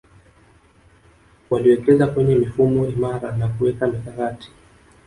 Waliwekeza kwenye mifumo imara na kuweka mikakati